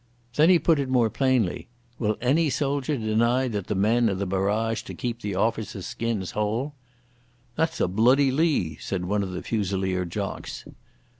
Then he put it more plainly. "Will any soldier deny that the men are the barrage to keep the officers' skins whole?" "That's a bloody lee," said one of the Fusilier jocks.